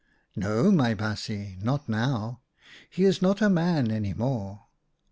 " No, my baasje, not now. He is not a man any more.